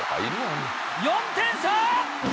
４点差！